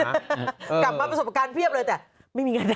กลับมาประสบการณ์เพียบเลยแต่ไม่มีเงินได้